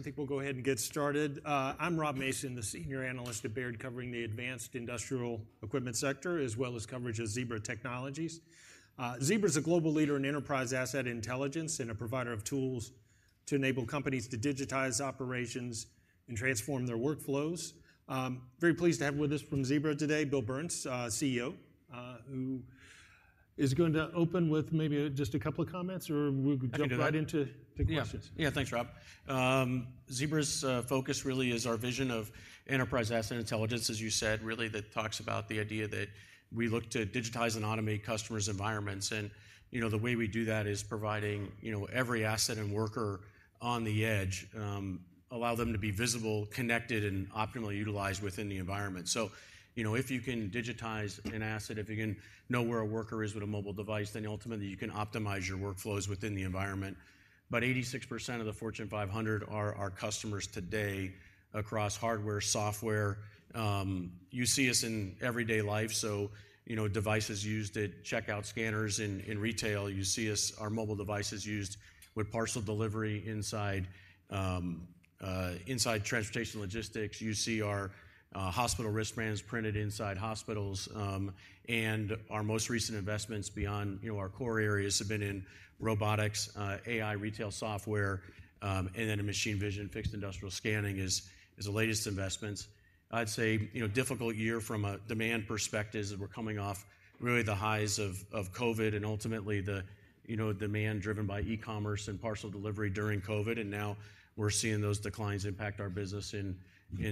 I think we'll go ahead and get started. I'm Rob Mason, the senior analyst at Baird, covering the advanced industrial equipment sector, as well as coverage of Zebra Technologies. Zebra is a global leader in enterprise asset intelligence and a provider of tools to enable companies to digitize operations and transform their workflows. Very pleased to have with us from Zebra today, Bill Burns, CEO, who is going to open with maybe just a couple of comments, or we could jump- I can do that. right into the questions. Yeah. Yeah, thanks, Rob. Zebra's focus really is our vision of Enterprise Asset Intelligence, as you said, really, that talks about the idea that we look to digitize and automate customers' environments. And, you know, the way we do that is providing, you know, every asset and worker on the edge, allow them to be visible, connected, and optimally utilized within the environment. So, you know, if you can digitize an asset, if you can know where a worker is with a mobile device, then ultimately you can optimize your workflows within the environment. About 86% of the Fortune 500 are our customers today across hardware, software. You see us in everyday life, so, you know, devices used at checkout scanners in retail. You see us, our mobile devices used with parcel delivery inside transportation and logistics. You see our hospital wristbands printed inside hospitals. And our most recent investments beyond, you know, our core areas have been in robotics, AI, retail software, and then in machine vision. Fixed Industrial Scanning is the latest investments. I'd say, you know, difficult year from a demand perspective, as we're coming off really the highs of COVID and ultimately the, you know, demand driven by e-commerce and parcel delivery during COVID, and now we're seeing those declines impact our business in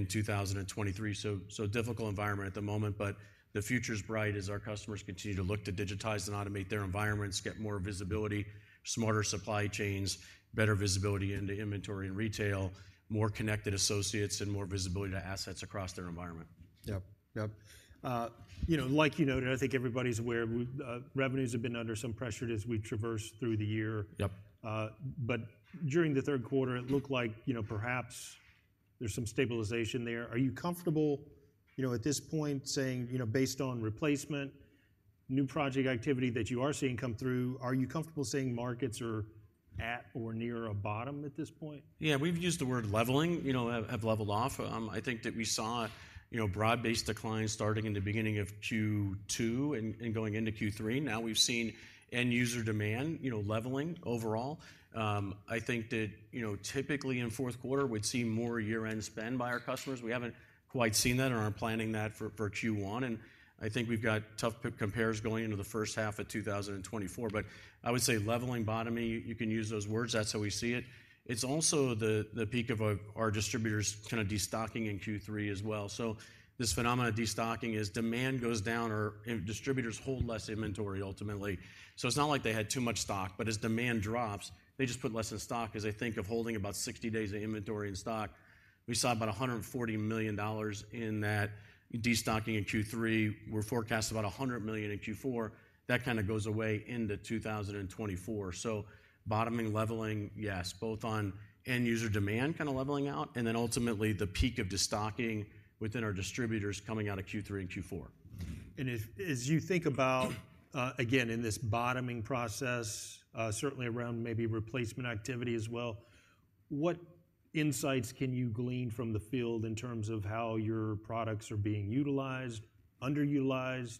2023. So difficult environment at the moment, but the future's bright as our customers continue to look to digitize and automate their environments, get more visibility, smarter supply chains, better visibility into inventory and retail, more connected associates, and more visibility to assets across their environment. Yep. Yep. You know, like you noted, I think everybody's aware, we revenues have been under some pressure as we traverse through the year. Yep. But during the third quarter, it looked like, you know, perhaps there's some stabilization there. Are you comfortable, you know, at this point, saying, you know, based on replacement, new project activity that you are seeing come through, are you comfortable saying markets are at or near a bottom at this point? Yeah, we've used the word leveling, you know, have, have leveled off. I think that we saw, you know, broad-based declines starting in the beginning of Q2 and, and going into Q3. Now, we've seen end user demand, you know, leveling overall. I think that, you know, typically in fourth quarter, we'd see more year-end spend by our customers. We haven't quite seen that or aren't planning that for, for Q1, and I think we've got tough comp- compares going into the first half of 2024. But I would say leveling, bottoming, you, you can use those words. That's how we see it. It's also the peak of a, our distributors kind of destocking in Q3 as well. So this phenomena of destocking is demand goes down or distributors hold less inventory ultimately. So it's not like they had too much stock, but as demand drops, they just put less in stock as they think of holding about 60 days of inventory in stock. We saw about $140 million in that destocking in Q3. We're forecasting about $100 million in Q4. That kind of goes away into 2024. So bottoming, leveling, yes, both on end user demand kind of leveling out, and then ultimately the peak of destocking within our distributors coming out of Q3 and Q4. And as you think about, again, in this bottoming process, certainly around maybe replacement activity as well, what insights can you glean from the field in terms of how your products are being utilized, underutilized?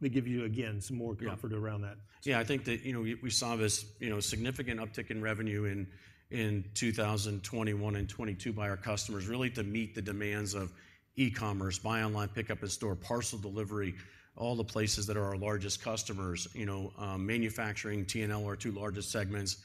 They give you, again, some more- Yeah. comfort around that. Yeah, I think that, you know, we saw this, you know, significant uptick in revenue in 2021 and 2022 by our customers, really to meet the demands of e-commerce, buy online, pickup in store, parcel delivery, all the places that are our largest customers. You know, manufacturing, T&L, are our two largest segments,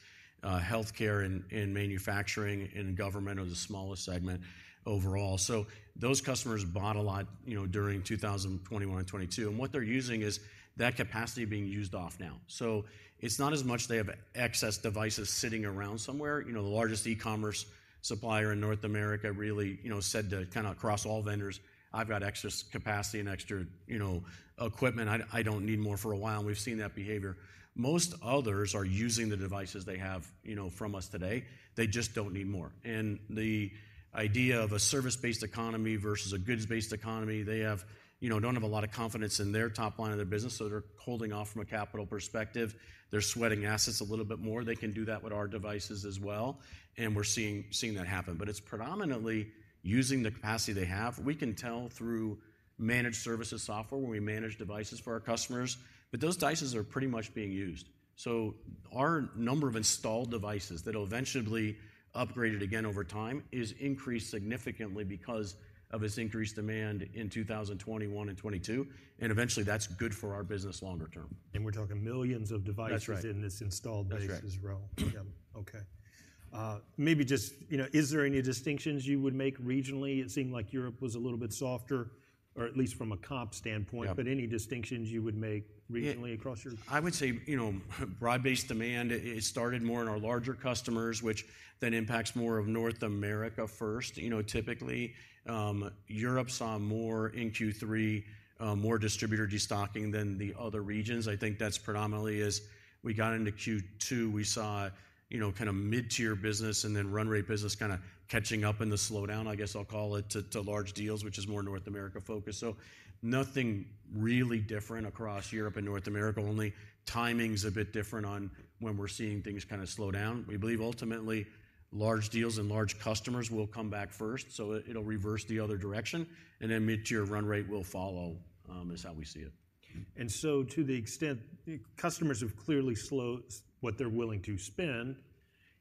healthcare and manufacturing, and government are the smallest segment overall. So those customers bought a lot, you know, during 2021 and 2022, and what they're using is that capacity being used off now. So it's not as much they have excess devices sitting around somewhere. You know, the largest e-commerce supplier in North America really, you know, said to kind of across all vendors, "I've got extra capacity and extra, you know, equipment. I don't need more for a while," and we've seen that behavior. Most others are using the devices they have, you know, from us today. They just don't need more. The idea of a service-based economy versus a goods-based economy, they have, you know, don't have a lot of confidence in their top line of their business, so they're holding off from a capital perspective. They're sweating assets a little bit more. They can do that with our devices as well, and we're seeing that happen. It's predominantly using the capacity they have. We can tell through managed services software, where we manage devices for our customers, but those devices are pretty much being used. Our number of installed devices that will eventually be upgraded again over time is increased significantly because of this increased demand in 2021 and 2022, and eventually, that's good for our business longer term. We're talking millions of devices- That's right. in this installed base as well. That's right. Yep. Okay. Maybe just, you know, is there any distinctions you would make regionally? It seemed like Europe was a little bit softer, or at least from a comp standpoint. Yep. But any distinctions you would make regionally across your- I would say, you know, broad-based demand it started more in our larger customers, which then impacts more of North America first. You know, typically, Europe saw more in Q3, more distributor destocking than the other regions. I think that's predominantly as we got into Q2, we saw, you know, kind of mid-tier business and then run rate business kind of catching up in the slowdown, I guess I'll call it, to large deals, which is more North America-focused. So nothing really different across Europe and North America. Only timing's a bit different on when we're seeing things kind of slow down. We believe ultimately, large deals and large customers will come back first, so it, it'll reverse the other direction, and then mid-tier run rate will follow, is how we see it. To the extent customers have clearly slowed what they're willing to spend,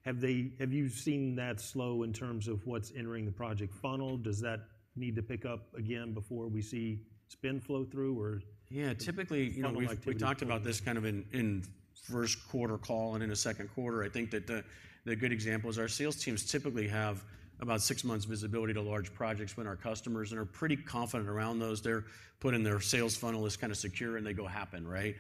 have they, have you seen that slow in terms of what's entering the project funnel? Does that need to pick up again before we see spend flow through or? Yeah, typically, you know- Like- We talked about this kind of in the first quarter call and in the second quarter. I think that the good example is our sales teams typically have about six months visibility to large projects when our customers are pretty confident around those. They're put in their sales funnel is kind of secure, and they go happen, right?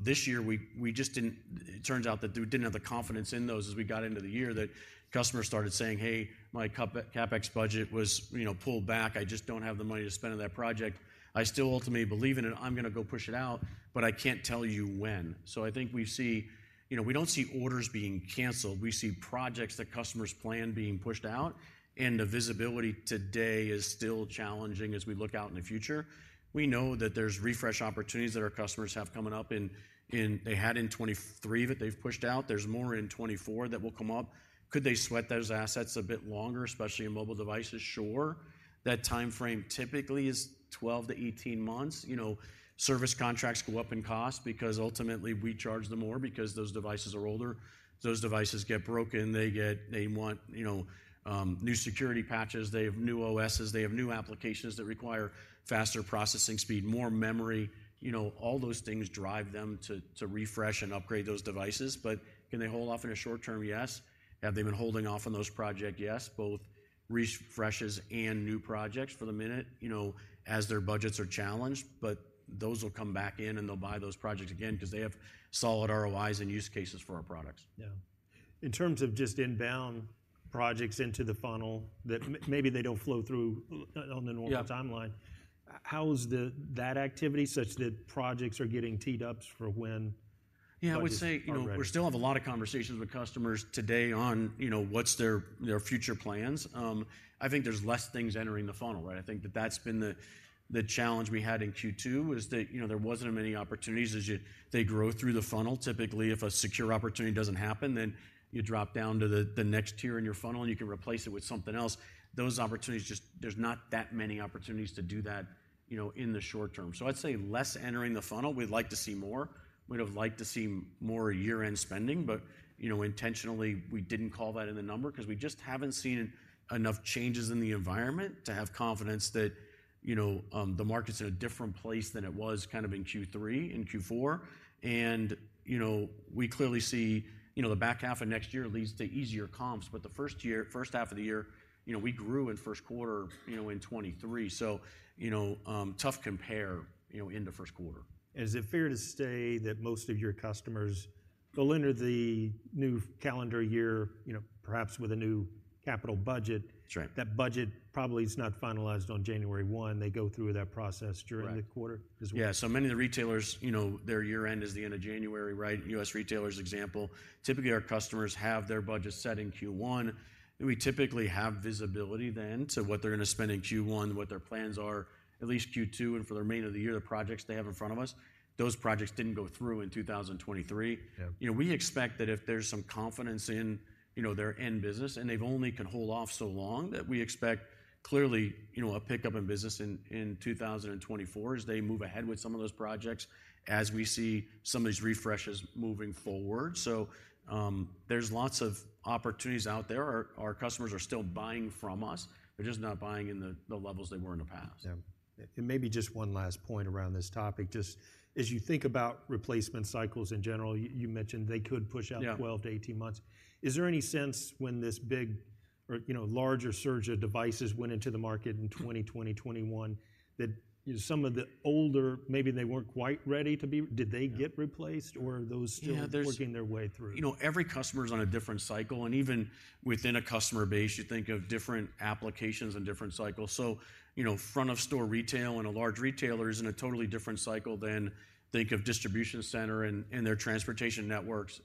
This year, we just didn't—it turns out that they didn't have the confidence in those as we got into the year, that customers started saying: "Hey, my CapEx budget was, you know, pulled back. I just don't have the money to spend on that project. I still ultimately believe in it. I'm going to go push it out, but I can't tell you when." So I think we see. You know, we don't see orders being canceled. We see projects that customers plan being pushed out, and the visibility today is still challenging as we look out in the future. We know that there's refresh opportunities that our customers have coming up, they had in 2023, that they've pushed out. There's more in 2024 that will come up. Could they sweat those assets a bit longer, especially in mobile devices? Sure. That timeframe typically is 12-18 months. You know, service contracts go up in cost because ultimately we charge them more because those devices are older. Those devices get broken, they want, you know, new security patches, they have new OSs, they have new applications that require faster processing speed, more memory. You know, all those things drive them to refresh and upgrade those devices. But can they hold off in a short term? Yes. Have they been holding off on those projects? Yes, both refreshes and new projects for the moment, you know, as their budgets are challenged, but those will come back in, and they'll buy those projects again because they have solid ROIs and use cases for our products. Yeah. In terms of just inbound projects into the funnel that maybe they don't flow through, on the- Yeah... normal timeline, how is that activity such that projects are getting teed up for when- Yeah, I would say- Budgets are ready.... we're. We still have a lot of conversations with customers today on, you know, what's their, their future plans. I think there's less things entering the funnel, right? I think that that's been the challenge we had in Q2, is that, you know, there wasn't many opportunities. As they grow through the funnel, typically, if a secure opportunity doesn't happen, then you drop down to the next tier in your funnel, and you can replace it with something else. Those opportunities, just there's not that many opportunities to do that, you know, in the short term. So I'd say less entering the funnel. We'd like to see more. We'd have liked to see more year-end spending, but, you know, intentionally, we didn't call that in the number because we just haven't seen enough changes in the environment to have confidence that, you know, the market's in a different place than it was kind of in Q3 and Q4. And, you know, we clearly see, you know, the back half of next year leads to easier comps, but the first half of the year, you know, we grew in first quarter, you know, in 2023. So, you know, tough compare, you know, in the first quarter. Is it fair to say that most of your customers go into the new calendar year, you know, perhaps with a new capital budget? That's right. That budget probably is not finalized on January 1. They go through that process. Right. During the quarter as well? Yeah. So many of the retailers, you know, their year-end is the end of January, right? U.S. retailers, example, typically our customers have their budget set in Q1, and we typically have visibility then to what they're going to spend in Q1, what their plans are, at least Q2, and for the remainder of the year, the projects they have in front of us. Those projects didn't go through in 2023. Yeah. You know, we expect that if there's some confidence in, you know, their end business, and they've only could hold off so long, that we expect clearly, you know, a pickup in business in 2024 as they move ahead with some of those projects, as we see some of these refreshes moving forward. So, there's lots of opportunities out there. Our customers are still buying from us. They're just not buying in the levels they were in the past. Yeah. And maybe just one last point around this topic. Just as you think about replacement cycles in general, you mentioned they could push out- Yeah... 12-18 months. Is there any sense when this big or, you know, larger surge of devices went into the market in 2021, that some of the older, maybe they weren't quite ready to be... Did they get replaced, or are those- Yeah, there's- -still working their way through? You know, every customer is on a different cycle, and even within a customer base, you think of different applications and different cycles. So, you know, front of store retail and a large retailer is in a totally different cycle than, think of distribution center and their transportation networks.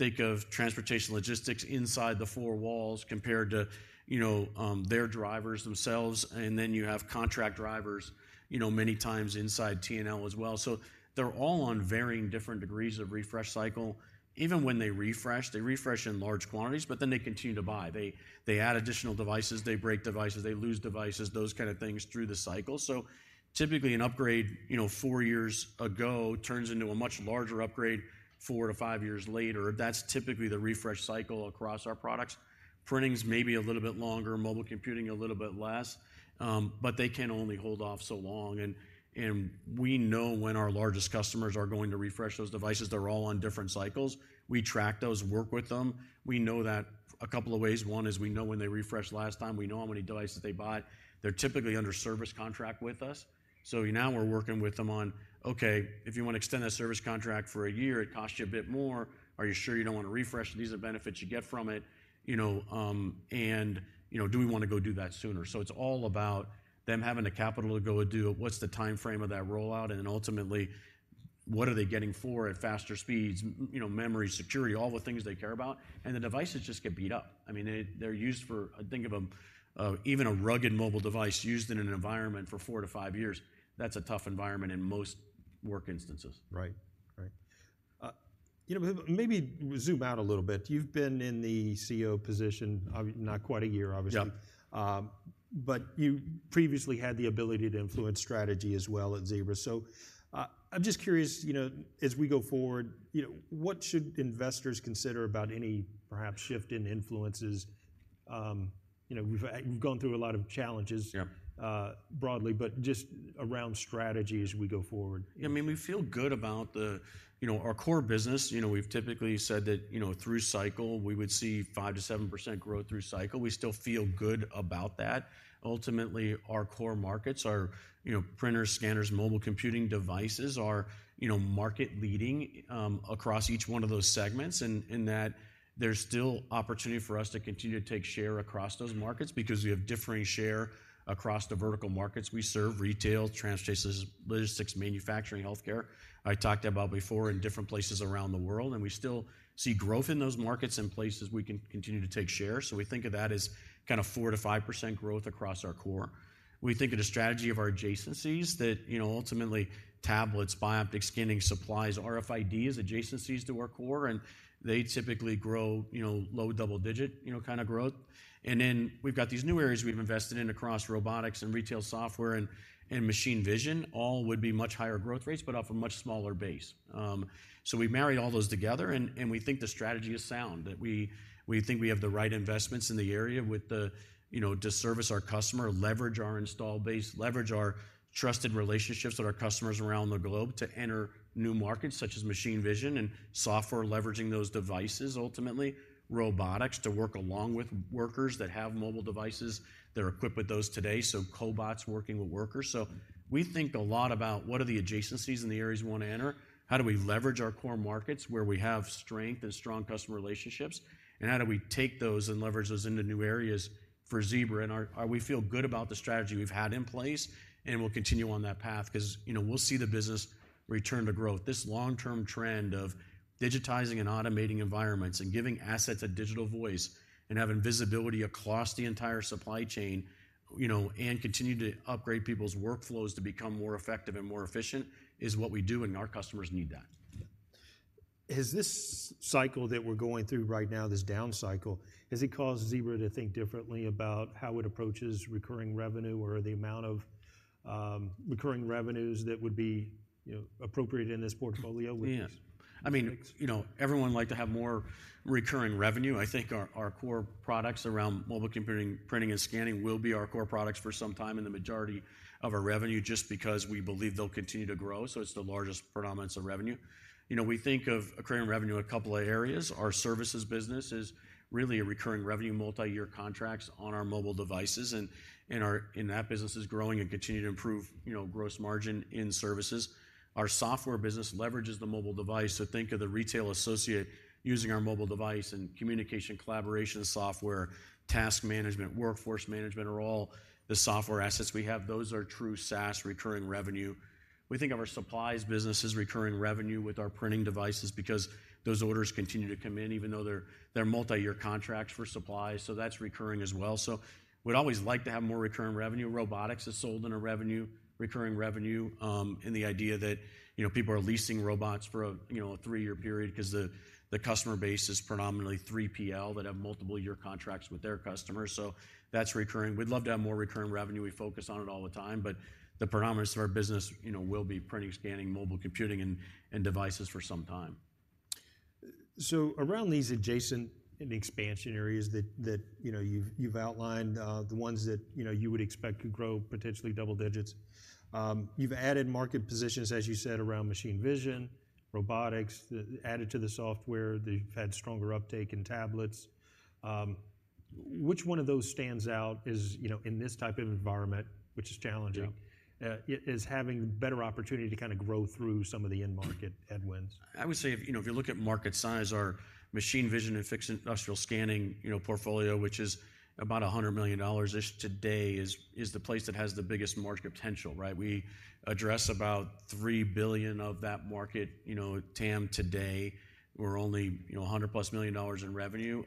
Think of transportation logistics inside the four walls compared to, you know, their drivers themselves, and then you have contract drivers, you know, many times inside T&L as well. So they're all on varying different degrees of refresh cycle. Even when they refresh, they refresh in large quantities, but then they continue to buy. They, they add additional devices, they break devices, they lose devices, those kind of things through the cycle. So typically, an upgrade, you know, four years ago, turns into a much larger upgrade four to five years later. That's typically the refresh cycle across our products. Printing's may be a little bit longer, mobile computing, a little bit less, but they can only hold off so long. And, and we know when our largest customers are going to refresh those devices, they're all on different cycles. We track those, work with them. We know that a couple of ways. One is we know when they refreshed last time, we know how many devices they bought. They're typically under service contract with us, so now we're working with them on, "Okay, if you want to extend that service contract for a year, it costs you a bit more. Are you sure you don't want to refresh? These are benefits you get from it, you know, and, you know, do we want to go do that sooner?" So it's all about them having the capital to go and do it. What's the timeframe of that rollout, and then ultimately, what are they getting for it? Faster speeds, you know, memory, security, all the things they care about. And the devices just get beat up. I mean, they're used for... Think of even a rugged mobile device used in an environment for 4-5 years. That's a tough environment in most work instances. Right. Right. You know, but maybe zoom out a little bit. You've been in the CEO position not quite a year, obviously. Yeah. But you previously had the ability to influence strategy as well at Zebra. So, I'm just curious, you know, as we go forward, you know, what should investors consider about any perhaps shift in influences... you know, we've gone through a lot of challenges- Yeah. Broadly, but just around strategy as we go forward. I mean, we feel good about the, you know, our core business. You know, we've typically said that, you know, through cycle, we would see 5%-7% growth through cycle. We still feel good about that. Ultimately, our core markets are, you know, printers, scanners, mobile computing devices are, you know, market leading across each one of those segments. And that there's still opportunity for us to continue to take share across those markets because we have differing share across the vertical markets we serve: retail, transportation, logistics, manufacturing, healthcare. I talked about before in different places around the world, and we still see growth in those markets in places we can continue to take share. So we think of that as kind of 4%-5% growth across our core. We think of the strategy of our adjacencies that, you know, ultimately, tablets, bioptics, scanning, supplies, RFIDs, adjacencies to our core, and they typically grow, you know, low double-digit, you know, kind of growth. And then we've got these new areas we've invested in across robotics and retail software and machine vision. All would be much higher growth rates, but off a much smaller base. So we married all those together, and we think the strategy is sound. That we think we have the right investments in the area with the, you know, to service our customer, leverage our installed base, leverage our trusted relationships with our customers around the globe to enter new markets, such as machine vision and software, leveraging those devices, ultimately, robotics, to work along with workers that have mobile devices, that are equipped with those today, so cobots working with workers. So we think a lot about what are the adjacencies in the areas we want to enter? How do we leverage our core markets, where we have strength and strong customer relationships, and how do we take those and leverage those into new areas for Zebra? And we feel good about the strategy we've had in place, and we'll continue on that path 'cause, you know, we'll see the business return to growth. This long-term trend of digitizing and automating environments and giving assets a digital voice and having visibility across the entire supply chain, you know, and continue to upgrade people's workflows to become more effective and more efficient, is what we do, and our customers need that. Has this cycle that we're going through right now, this down cycle, has it caused Zebra to think differently about how it approaches recurring revenue or the amount of, recurring revenues that would be, you know, appropriate in this portfolio, which- Yeah. I mean, you know, everyone like to have more recurring revenue. I think our, our core products around mobile computing, printing and scanning will be our core products for some time and the majority of our revenue, just because we believe they'll continue to grow, so it's the largest predominance of revenue. You know, we think of recurring revenue in a couple of areas. Our services business is really a recurring revenue, multi-year contracts on our mobile devices and, and our... and that business is growing and continue to improve, you know, gross margin in services. Our software business leverages the mobile device, so think of the retail associate using our mobile device and communication, collaboration software, task management, workforce management, are all the software assets we have. Those are true SaaS recurring revenue. We think of our supplies business as recurring revenue with our printing devices because those orders continue to come in, even though they're multi-year contracts for supplies, so that's recurring as well. So we'd always like to have more recurring revenue. Robotics is sold in a revenue, recurring revenue, in the idea that, you know, people are leasing robots for a, you know, a three-year period 'cause the customer base is predominantly 3PL, that have multiple year contracts with their customers, so that's recurring. We'd love to have more recurring revenue. We focus on it all the time, but the predominance of our business, you know, will be printing, scanning, mobile computing and devices for some time. So around these adjacent and expansion areas that you know you've outlined, the ones that you know you would expect to grow potentially double digits. You've added market positions, as you said, around machine vision, robotics, the added to the software. They've had stronger uptake in tablets. Which one of those stands out as you know in this type of environment, which is challenging- Yeah... is having better opportunity to kind of grow through some of the end market headwinds? I would say, if, you know, if you look at market size, our machine vision and fixed industrial scanning, you know, portfolio, which is about $100 million-ish today, is the place that has the biggest market potential, right? We address about $3 billion of that market. You know, TAM today, we're only, you know, $100+ million in revenue.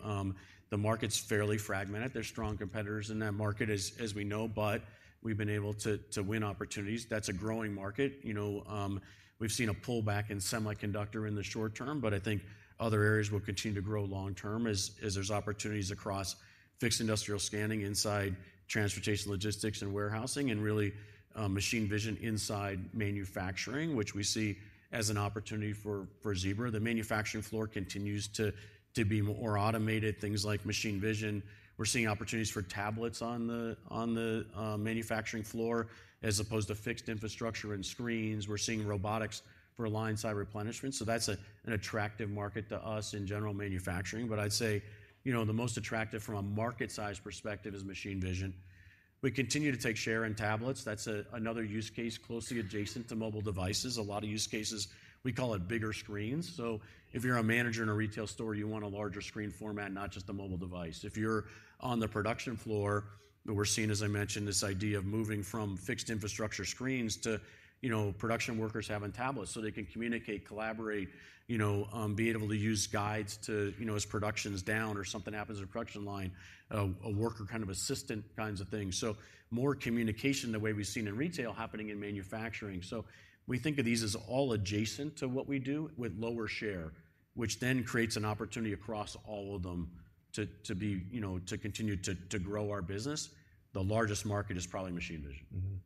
The market's fairly fragmented. There are strong competitors in that market as we know, but we've been able to win opportunities. That's a growing market. You know, we've seen a pullback in semiconductor in the short term, but I think other areas will continue to grow long term as there's opportunities across fixed industrial scanning, inside transportation, logistics and warehousing, and really, machine vision inside manufacturing, which we see as an opportunity for Zebra. The manufacturing floor continues to be more automated, things like machine vision. We're seeing opportunities for tablets on the manufacturing floor, as opposed to fixed infrastructure and screens. We're seeing robotics for line-side replenishment, so that's an attractive market to us in general manufacturing. But I'd say, you know, the most attractive from a market size perspective is machine vision. We continue to take share in tablets. That's another use case closely adjacent to mobile devices. A lot of use cases, we call it bigger screens. So if you're a manager in a retail store, you want a larger screen format, not just a mobile device. If you're on the production floor, but we're seeing, as I mentioned, this idea of moving from fixed infrastructure screens to, you know, production workers having tablets so they can communicate, collaborate, you know, be able to use guides to... you know, as production is down or something happens in a production line, a worker kind of assistant kinds of things. So more communication, the way we've seen in retail happening in manufacturing. So we think of these as all adjacent to what we do with lower share, which then creates an opportunity across all of them to, to be, you know, to continue to, to grow our business. The largest market is probably Machine Vision....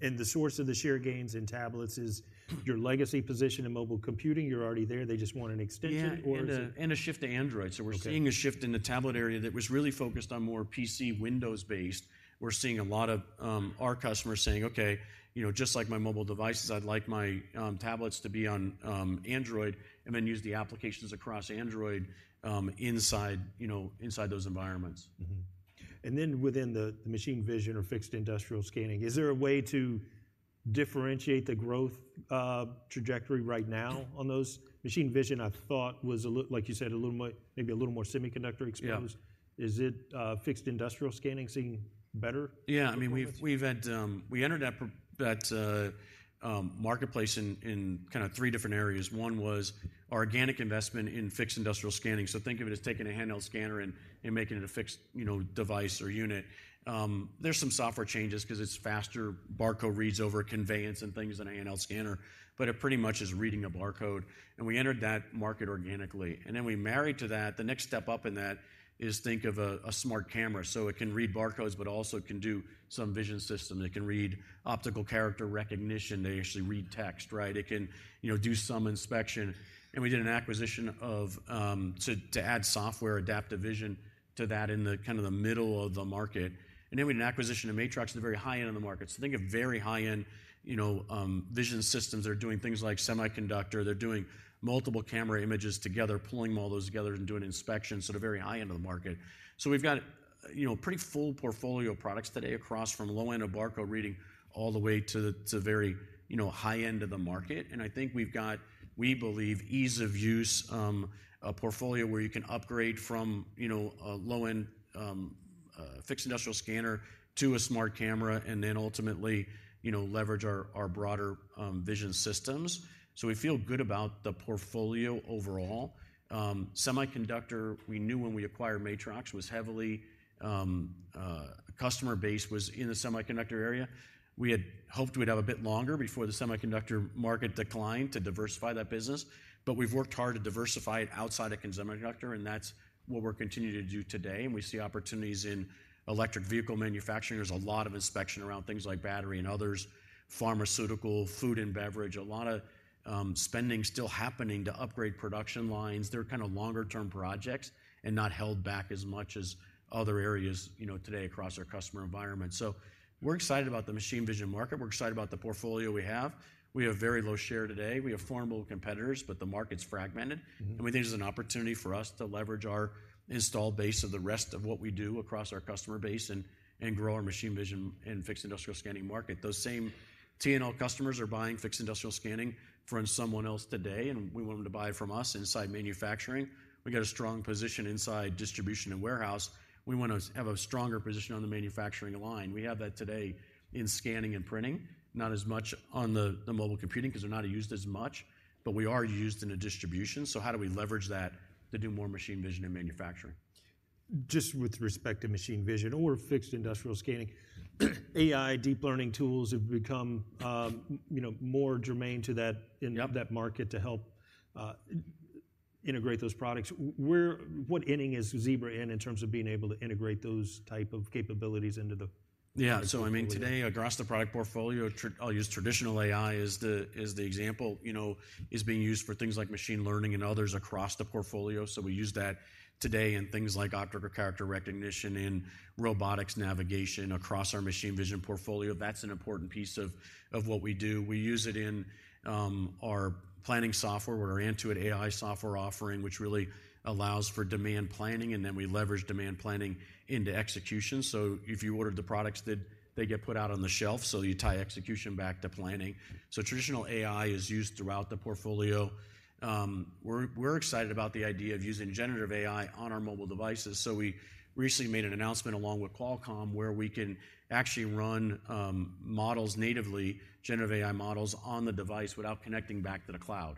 And the source of the share gains in tablets is your legacy position in mobile computing. You're already there, they just want an extension or is it? Yeah, and a shift to Android. Okay. So we're seeing a shift in the tablet area that was really focused on more PC, Windows-based. We're seeing a lot of our customers saying: "Okay, you know, just like my mobile devices, I'd like my tablets to be on Android, and then use the applications across Android inside, you know, inside those environments. Mm-hmm. And then within the, the machine vision or fixed industrial scanning, is there a way to differentiate the growth trajectory right now on those? Machine vision, I thought, was a little, like you said, a little more, maybe a little more semiconductor exposed. Yeah. Is it Fixed Industrial Scanning seeing better? Yeah, I mean, we've had. We entered that marketplace in kind of three different areas. One was organic investment in Fixed Industrial Scanning. So think of it as taking a handheld scanner and making it a fixed, you know, device or unit. There's some software changes 'cause it's faster barcode reads over conveyance and things than a handheld scanner, but it pretty much is reading a barcode, and we entered that market organically. And then we married to that, the next step up in that is think of a smart camera. So it can read barcodes, but also it can do some vision system. It can read optical character recognition. They actually read text, right? It can, you know, do some inspection, and we did an acquisition of to add software, Adaptive Vision, to that in the kind of the middle of the market. And then we did an acquisition of Matrox in the very high end of the market. So think of very high-end, you know, vision systems that are doing things like semiconductor. They're doing multiple camera images together, pulling all those together and doing inspections, so the very high end of the market. So we've got, you know, pretty full portfolio of products today across from low end of barcode reading all the way to the very, you know, high end of the market. I think we've got, we believe, ease of use, a portfolio where you can upgrade from, you know, a low-end fixed industrial scanner to a smart camera, and then ultimately, you know, leverage our, our broader vision systems. So we feel good about the portfolio overall. Semiconductor, we knew when we acquired Matrox, was heavily customer base was in the semiconductor area. We had hoped we'd have a bit longer before the semiconductor market declined to diversify that business, but we've worked hard to diversify it outside of semiconductor, and that's what we're continuing to do today, and we see opportunities in electric vehicle manufacturing. There's a lot of inspection around things like battery and others, pharmaceutical, food and beverage. A lot of spending still happening to upgrade production lines. They're kind of longer-term projects and not held back as much as other areas, you know, today across our customer environment. So we're excited about the machine vision market. We're excited about the portfolio we have. We have very low share today. We have formidable competitors, but the market's fragmented- Mm-hmm. We think there's an opportunity for us to leverage our install base of the rest of what we do across our customer base and grow our machine vision and fixed industrial scanning market. Those same T&L customers are buying fixed industrial scanning from someone else today, and we want them to buy from us inside manufacturing. We've got a strong position inside distribution and warehouse. We want to have a stronger position on the manufacturing line. We have that today in scanning and printing, not as much on the mobile computing, 'cause they're not used as much, but we are used in the distribution, so how do we leverage that to do more machine vision and manufacturing? Just with respect to Machine Vision or Fixed Industrial Scanning, AI deep learning tools have become, you know, more germane to that- Yep... in that market to help integrate those products. What inning is Zebra in, in terms of being able to integrate those type of capabilities into the- Yeah. So, I mean, today, across the product portfolio, I'll use traditional AI as the, as the example, you know, is being used for things like machine learning and others across the portfolio. So we use that today in things like optical character recognition, in robotics navigation, across our machine vision portfolio. That's an important piece of what we do. We use it in our planning software, our Antuit.ai software offering, which really allows for demand planning, and then we leverage demand planning into execution. So if you ordered the products, did they get put out on the shelf? So you tie execution back to planning. So traditional AI is used throughout the portfolio. We're excited about the idea of using generative AI on our mobile devices. So we recently made an announcement along with Qualcomm, where we can actually run models natively, generative AI models, on the device without connecting back to the cloud.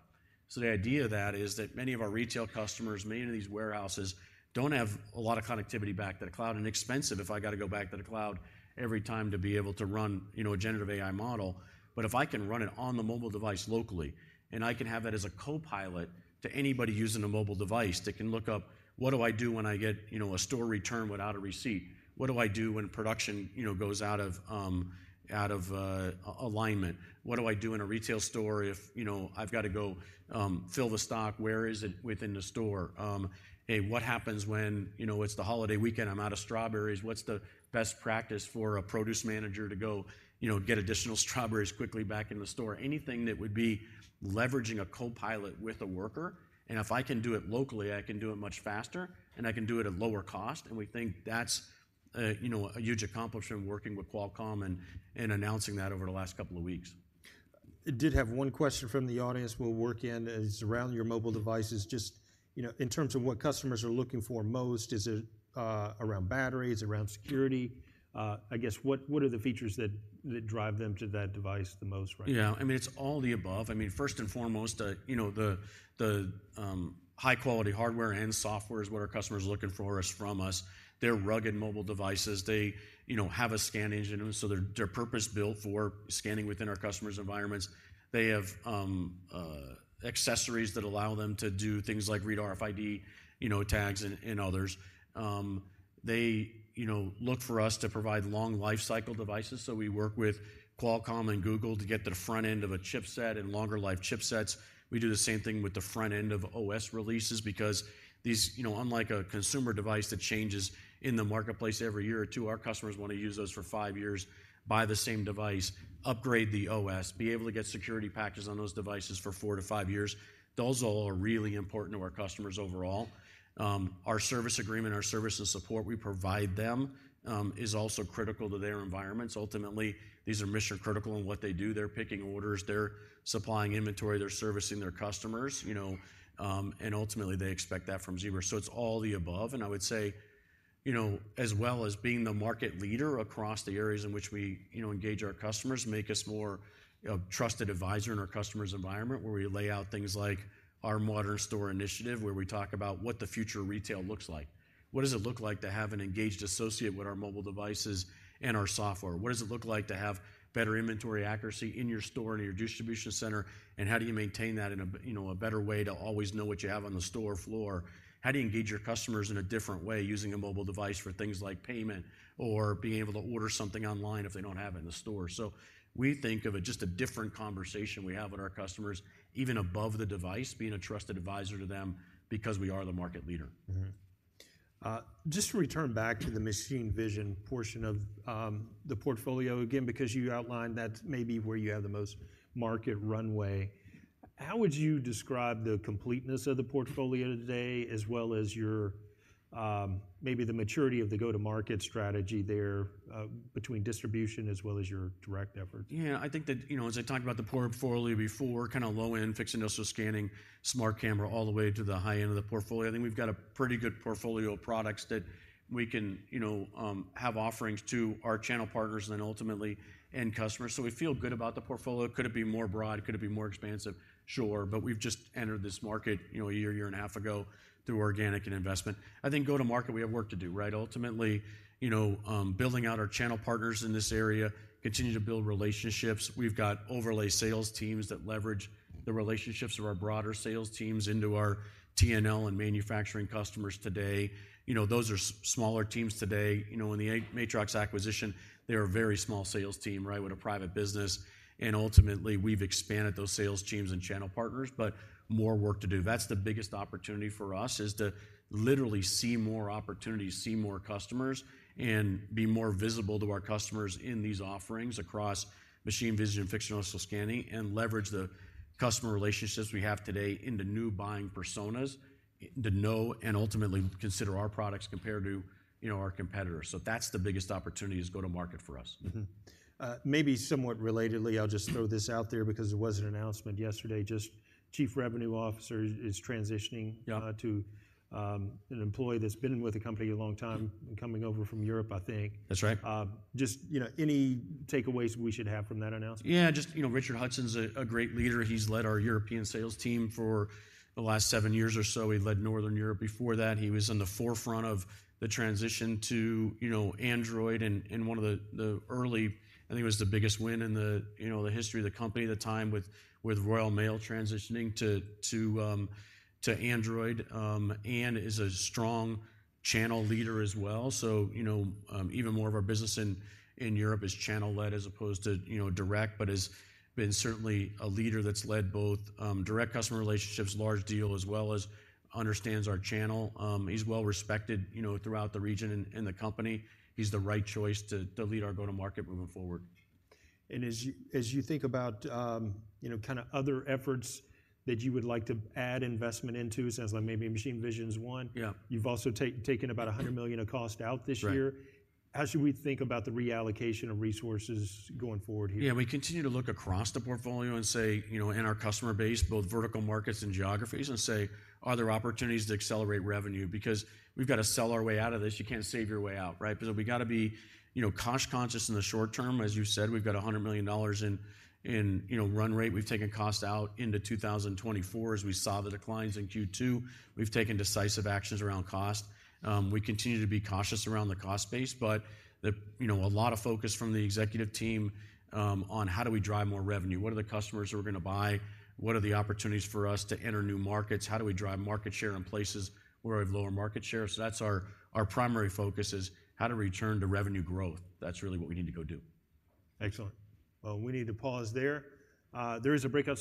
So the idea of that is that many of our retail customers, many of these warehouses don't have a lot of connectivity back to the cloud, and expensive if I got to go back to the cloud every time to be able to run, you know, a generative AI model. But if I can run it on the mobile device locally, and I can have it as a copilot to anybody using a mobile device, that can look up, "What do I do when I get, you know, a store return without a receipt? What do I do when production, you know, goes out of alignment? What do I do in a retail store if, you know, I've got to go, fill the stock, where is it within the store? Hey, what happens when, you know, it's the holiday weekend, I'm out of strawberries? What's the best practice for a produce manager to go, you know, get additional strawberries quickly back in the store? Anything that would be leveraging a copilot with a worker, and if I can do it locally, I can do it much faster, and I can do it at lower cost. And we think that's a, you know, a huge accomplishment working with Qualcomm and, and announcing that over the last couple of weeks.... I did have one question from the audience we'll work in, and it's around your mobile devices. Just, you know, in terms of what customers are looking for most, is it around batteries, around security? I guess, what are the features that drive them to that device the most right now? Yeah, I mean, it's all the above. I mean, first and foremost, you know, the high-quality hardware and software is what our customers are looking for is from us. They're rugged mobile devices. They, you know, have a scan engine, so they're purpose-built for scanning within our customers' environments. They have accessories that allow them to do things like read RFID, you know, tags and others. They, you know, look for us to provide long lifecycle devices, so we work with Qualcomm and Google to get the front end of a chipset and longer-life chipsets. We do the same thing with the front end of OS releases because these, you know, unlike a consumer device that changes in the marketplace every year or two, our customers want to use those for 5 years, buy the same device, upgrade the OS, be able to get security patches on those devices for 4-5 years. Those all are really important to our customers overall. Our service agreement, our service and support we provide them, is also critical to their environments. Ultimately, these are mission-critical in what they do. They're picking orders, they're supplying inventory, they're servicing their customers, you know, and ultimately, they expect that from Zebra. So it's all the above, and I would say, you know, as well as being the market leader across the areas in which we, you know, engage our customers, make us more a trusted advisor in our customer's environment, where we lay out things like our Modern Store initiative, where we talk about what the future of retail looks like. What does it look like to have an engaged associate with our mobile devices and our software? What does it look like to have better inventory accuracy in your store and your distribution center, and how do you maintain that in a you know, a better way to always know what you have on the store floor? How do you engage your customers in a different way, using a mobile device for things like payment or being able to order something online if they don't have it in the store? So we think of it just a different conversation we have with our customers, even above the device, being a trusted advisor to them because we are the market leader. Mm-hmm. Just to return back to the machine vision portion of the portfolio, again, because you outlined that may be where you have the most market runway. How would you describe the completeness of the portfolio today, as well as your maybe the maturity of the go-to-market strategy there, between distribution as well as your direct effort? Yeah, I think that, you know, as I talked about the portfolio before, kind of low end, fixed industrial scanning, smart camera, all the way to the high end of the portfolio, I think we've got a pretty good portfolio of products that we can, you know, have offerings to our channel partners and then ultimately end customers. So we feel good about the portfolio. Could it be more broad? Could it be more expansive? Sure. But we've just entered this market, you know, a year, year and a half ago, through organic and investment. I think go-to-market, we have work to do, right? Ultimately, you know, building out our channel partners in this area, continue to build relationships. We've got overlay sales teams that leverage the relationships of our broader sales teams into our T&L and manufacturing customers today. You know, those are smaller teams today. You know, in the Matrox acquisition, they were a very small sales team, right, with a private business, and ultimately, we've expanded those sales teams and channel partners, but more work to do. That's the biggest opportunity for us, is to literally see more opportunities, see more customers, and be more visible to our customers in these offerings across machine vision and Fixed Industrial Scanning, and leverage the customer relationships we have today into new buying personas, to know and ultimately consider our products compared to, you know, our competitors. So that's the biggest opportunity, is go-to-market for us. Mm-hmm. Maybe somewhat relatedly, I'll just throw this out there because there was an announcement yesterday, just Chief Revenue Officer is transitioning- Yeah. to an employee that's been with the company a long time and coming over from Europe, I think. That's right. Just, you know, any takeaways we should have from that announcement? Yeah, just, you know, Richard Hudson's a, a great leader. He's led our European sales team for the last seven years or so. He led Northern Europe before that. He was in the forefront of the transition to, you know, Android and, and one of the, the early... I think it was the biggest win in the, you know, the history of the company at the time with, with Royal Mail transitioning to, to, to Android. And is a strong channel leader as well. So, you know, even more of our business in, in Europe is channel-led as opposed to, you know, direct, but has been certainly a leader that's led both, direct customer relationships, large deal, as well as understands our channel. He's well-respected, you know, throughout the region and, and the company. He's the right choice to, to lead our go-to-market moving forward. As you think about, you know, kind of other efforts that you would like to add investment into, sounds like maybe machine vision is one. Yeah. You've also taken about $100 million of cost out this year. Right. How should we think about the reallocation of resources going forward here? Yeah, we continue to look across the portfolio and say, you know, in our customer base, both vertical markets and geographies, and say: Are there opportunities to accelerate revenue? Because we've got to sell our way out of this. You can't save your way out, right? But we got to be, you know, cost-conscious in the short term. As you said, we've got $100 million in, you know, run rate. We've taken cost out into 2024 as we saw the declines in Q2. We've taken decisive actions around cost. We continue to be cautious around the cost base, but the, you know, a lot of focus from the executive team on how do we drive more revenue? What are the customers who are going to buy? What are the opportunities for us to enter new markets? How do we drive market share in places where we have lower market share? So that's our, our primary focus, is how to return to revenue growth. That's really what we need to go do. Excellent. Well, we need to pause there. There is a breakout room-